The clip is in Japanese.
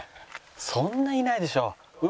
そんないないでしょう。